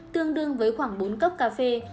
tương đương với khoảng bốn cốc cà phê